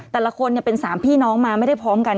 แต่ละคนเป็น๓พี่น้องมาไม่ได้พร้อมกัน